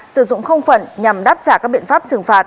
sử dụng không phận nhằm đáp trả các biện pháp trừng phạt